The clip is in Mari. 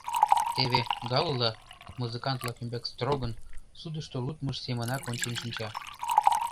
Теве Галло музыкант-влак ӱмбак строгын, судышто лудмыж семынак ончен шинча.